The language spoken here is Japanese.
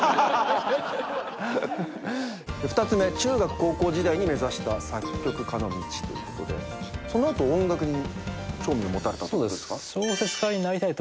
２つ目中学高校時代に目指した作曲家の道ということでその後音楽に興味を持たれたってことですか？